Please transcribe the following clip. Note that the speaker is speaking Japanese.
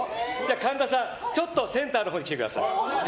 神田さんセンターのほうに来てください。